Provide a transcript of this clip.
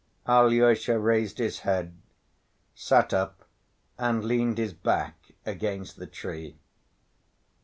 Alyosha raised his head, sat up and leaned his back against the tree.